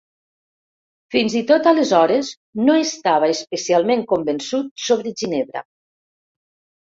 Fins i tot aleshores no estava especialment convençut sobre Ginebra.